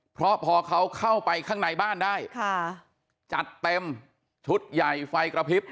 เพราะพอเขาเข้าไปข้างในบ้านได้ค่ะจัดเต็มชุดใหญ่ไฟกระพริบ